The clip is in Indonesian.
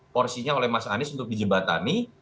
porsinya oleh mas anies untuk dijebatani